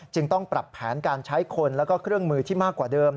ต้องปรับแผนการใช้คนแล้วก็เครื่องมือที่มากกว่าเดิม